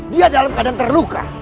dia dalam keadaan terluka